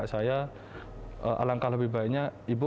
kalau melepasi ibu